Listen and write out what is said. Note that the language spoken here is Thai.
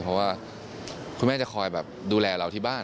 เพราะว่าคุณแม่จะคอยแบบดูแลเราที่บ้าน